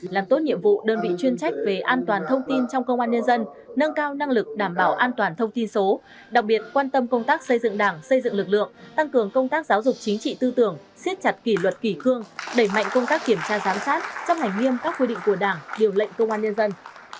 làm tốt nhiệm vụ đơn vị chuyên trách về an toàn thông tin trong công an nhân dân nâng cao năng lực đảm bảo an toàn thông tin số đặc biệt quan tâm công tác xây dựng đảng xây dựng lực lượng tăng cường công tác giáo dục chính trị tư tưởng siết chặt kỷ luật kỷ cương đẩy mạnh công tác kiểm tra giám sát chấp hành nghiêm các quy định của đảng điều lệnh công an nhân dân